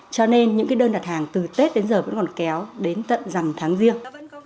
cho nên những cái đơn đặt hàng từ tết đến giờ vẫn còn kéo đến tận giảm tháng riêng